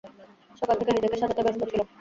সকাল থেকে নিজেকে সাজাতে ব্যস্ত ছিল।